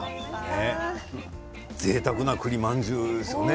ぜいたくな栗まんじゅうですよね。